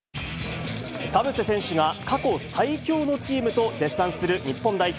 田臥選手が、過去最強のチームと絶賛する日本代表。